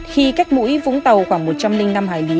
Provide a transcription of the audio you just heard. khi cách mũi vũng tàu khoảng một trăm linh năm hải lý